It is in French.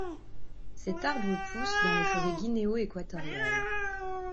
Cet arbre pousse dans les forêts guinéo-équatoriales.